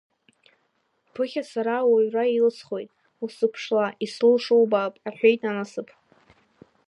Ԥыхьа сара ауаҩра илсхуеит, усзыԥшла, исылшо убап, — аҳәеит анасыԥ.